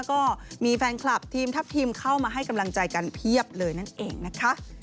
ก็มีแฟนคลับทีมทัพทีมเข้ามาให้กำลังใจกันเพียบเลยนั่นเองนะคะ